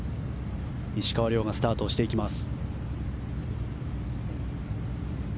石川遼がスタートをしていきます。